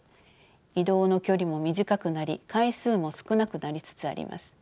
移動の距離も短くなり回数も少なくなりつつあります。